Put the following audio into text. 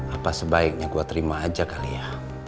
apa sebaiknya gue terima aja kali ya